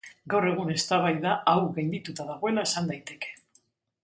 Gaur egun eztabaida hau gaindituta dagoela esan daiteke.